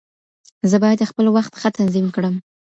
زه بايد خپل وخت ښه تنظيم کړم.